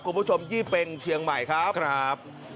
กลุ่มผู้ชมยี่เป็งเชียงใหม่ครับครับครับ